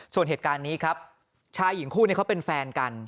ส่วนเหตุการณ์นี้ครับชายหญิงคู่นี้เขาเป็นแฟนกัน